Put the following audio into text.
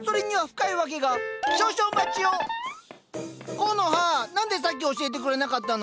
コノハ何でさっき教えてくれなかったの？